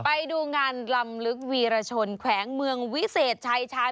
ไปดูงานลำลึกวีรชนแขวงเมืองวิเศษชายชาญ